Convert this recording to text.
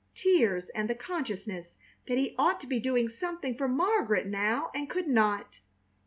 Tears and the consciousness that he ought to be doing something for Margaret now and could not.